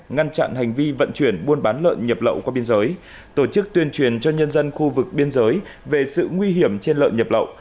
ngăn chặn hành vi vận chuyển buôn bán lợn nhập lậu qua biên giới tổ chức tuyên truyền cho nhân dân khu vực biên giới về sự nguy hiểm trên lợn nhập lậu